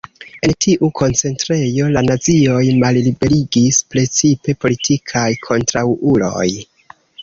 En tiu koncentrejo la nazioj malliberigis precipe politikaj kontraŭuloj.